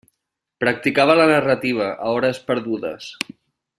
Practicava la narrativa a hores perdudes.